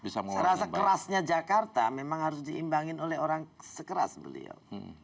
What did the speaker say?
segera sekerasnya jakarta memang harus diimbangin oleh orang sekeras beliau